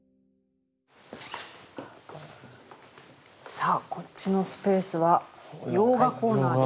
さあこっちのスペースは洋画コーナーですよ。